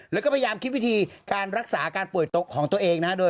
แล้วก็พยายามคิดวิธีการรักษาอาการปวดหลังของตัวเอง